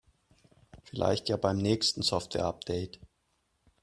Vielleicht ja beim nächsten Softwareupdate.